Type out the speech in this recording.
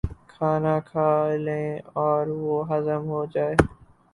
کھانا کھا لیں اور وہ ہضم ہو جائے۔